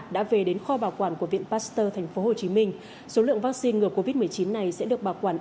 đã về đến kho bảo quản của viện pasteur tp hcm số lượng vaccine ngừa covid một mươi chín này sẽ được bảo quản